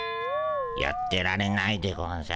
やってられないでゴンス。